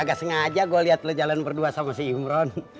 gak sengaja gue liat lo jalan berdua sama si imron